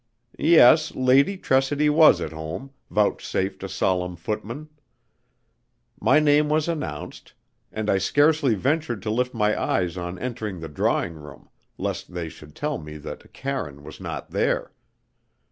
Yes, Lady Tressidy was at home, vouchsafed a solemn footman. My name was announced, and I scarcely ventured to lift my eyes on entering the drawing room, lest they should tell me that Karine was not there.